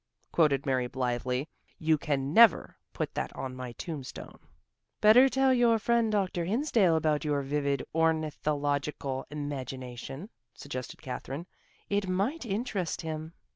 '" quoted Mary blithely. "You can never put that on my tombstone." "Better tell your friend Dr. Hinsdale about your vivid ornithological imagination," suggested Katherine. "It might interest him."